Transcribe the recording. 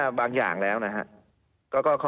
แบบบางอย่างแล้วนะฮะ